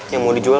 yang mau dijual